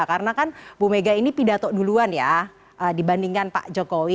karena kan mubega ini pidato duluan ya dibandingkan pak jokowi